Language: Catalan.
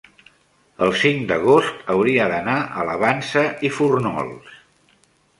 el cinc d'agost hauria d'anar a la Vansa i Fórnols.